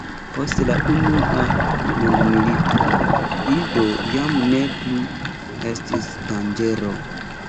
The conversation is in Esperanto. Post la unua mondmilito Ido jam ne plu estis danĝero.